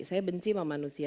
saya benci sama manusia